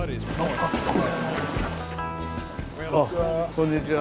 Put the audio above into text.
こんにちは。